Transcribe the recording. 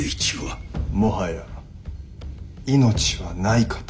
もはや命はないかと。